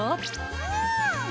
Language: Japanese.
うん！